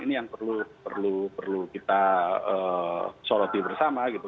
ini yang perlu kita soroti bersama gitu